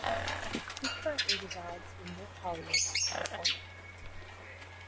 He currently resides in North Hollywood, California.